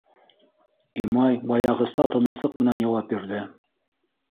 Имай баяғыса тыныслыҡ менән яуап бирҙе: